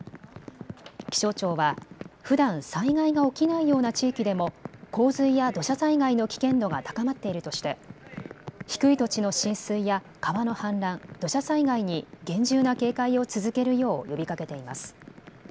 気象庁はふだん災害が起きないような地域でも洪水や土砂災害の危険度が高まっているとして低い土地の浸水や川の氾濫、土砂災害に厳重な警戒を続けるよう呼びかけています。